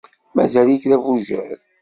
Mazal-ik d abujad.